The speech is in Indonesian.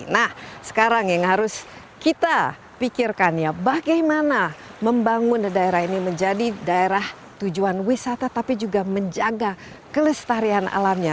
nah sekarang yang harus kita pikirkan ya bagaimana membangun daerah ini menjadi daerah tujuan wisata tapi juga menjaga kelestarian alamnya